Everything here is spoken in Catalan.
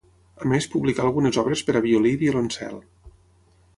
A més publicà algunes obres per a violí i violoncel.